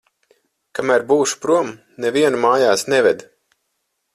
Kamēr būšu prom, nevienu mājās neved.